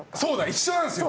一緒なんすよ。